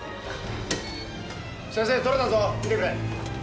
先生撮れたぞ見てくれ。